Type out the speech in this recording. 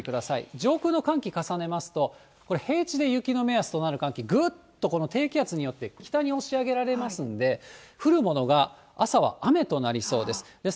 上空の寒気重ねますと、これ、平地で雪の目安となる寒気、ぐっとこの低気圧によって北に押し上げられますんで、降るものが朝は雨となりそうです。